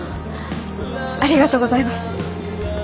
ありがとうございます。